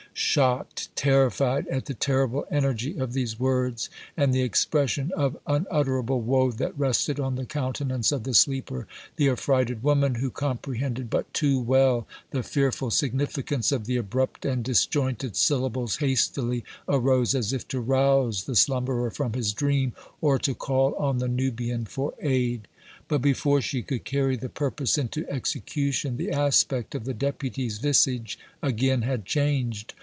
Shocked, terrified at the terrible energy of these words, and the expression of unutterable woe that rested on the countenance of the sleeper, the affrighted woman, who comprehended but too well the fearful significance of the abrupt and disjointed syllables, hastily arose as if to rouse the slumberer from his dream or to call on the Nubian for aid. But, before she could carry the purpose into execution, the aspect of the Deputy's visage again had changed.